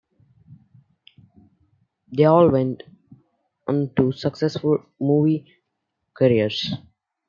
They all went on to successful movie careers.